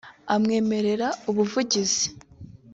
amwemerera ubuvugizi